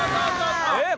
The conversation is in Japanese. えっ？